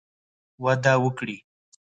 وده وکړي